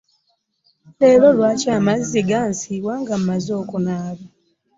Leero lwaki amazzi gansiwa nga maze okunaaba?